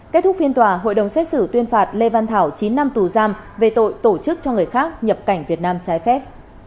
kết thúc phiên tòa hội đồng xét xử tuyên phạt lê văn thảo chín năm tù giam về tội tổ chức cho người khác nhập cảnh việt nam trái phép